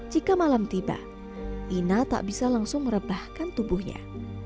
jika malam tiba ina tak bisa langsung merebahkan tubuhnya